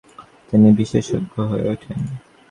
তিনি বিশেষজ্ঞ হয়ে ওঠেন।